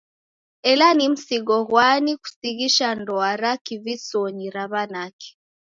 Ela ni msigo ghwani kusighisha ndoa ra kivisonyi ra w'anake?